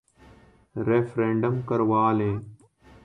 Referendum کروا لیں۔